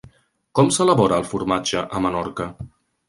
Com s'elabora el formatge a Menorca?